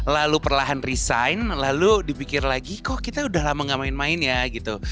lalu perlahan resign lalu dipikir lagi kok kita udah lama gak main main ya gitu